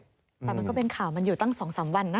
แต่มันก็เป็นข่าวมันอยู่ตั้ง๒๓วันนะ